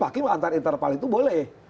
hakim antar interval itu boleh